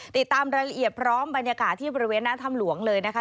ติดตามรายละเอียดพร้อมบรรยากาศที่บริเวณหน้าถ้ำหลวงเลยนะคะ